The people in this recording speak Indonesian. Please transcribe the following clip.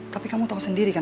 tapi kamu tahu sendiri kan